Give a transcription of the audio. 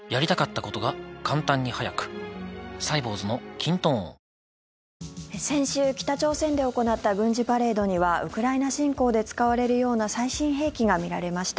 サントリー「ロコモア」明日のチラシで先週、北朝鮮で行った軍事パレードにはウクライナ侵攻で使われるような最新兵器が見られました。